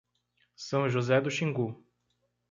São José do Xingu